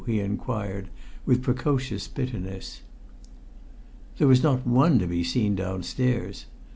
he inquired with precocious bitterness. There was not one to be seen downstairs.